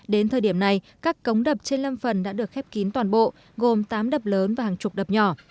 đến thời điểm này các cống đập trên lâm phần đã được khép kín toàn bộ gồm tám đập lớn và hàng chục đập nhỏ